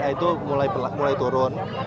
itu mulai turun